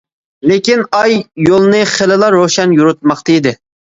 لېكىن ئاي يولنى خېلىلا روشەن يورۇتماقتا ئىدى.